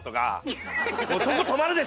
「そこ止まるでしょ！」とか。